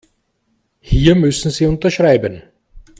Hier müssen Sie unterschreiben.